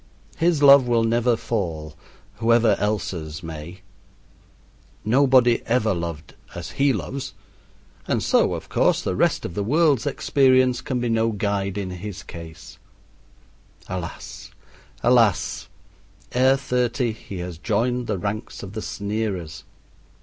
His love will never fall, whoever else's may. Nobody ever loved as he loves, and so, of course, the rest of the world's experience can be no guide in his case. Alas! alas! ere thirty he has joined the ranks of the sneerers.